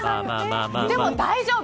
でも大丈夫。